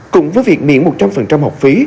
cùng với việc miễn một trăm linh học phí